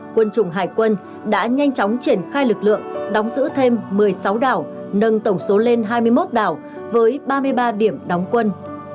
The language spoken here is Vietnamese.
quân chủng hải quân đã nhanh chóng triển khai lực lượng đóng giữ thêm một mươi sáu đảo nâng tổng số lên hai mươi một đảo với ba mươi ba điểm đóng quân